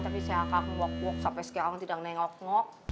tapi kak ngewok ngewok sampai sekarang tidak nengok ngok